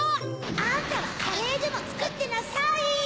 あんたはカレーでもつくってなさい！